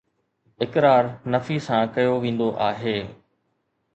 اقرار نفي سان ڪيو ويندو آهي